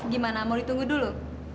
gimana mau ditunggu dulu